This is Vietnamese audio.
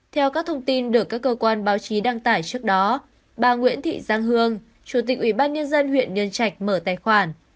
theo các thông tin được các cơ quan báo chí đăng tải trước đó bà nguyễn thị giang hương chủ tịch ủy ban nhân dân huyện nhân trạch mở tài khoản